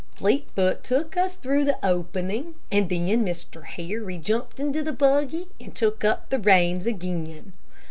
Fleetfoot took us through the opening, and then Mr. Harry jumped into the buggy and took up the reins again.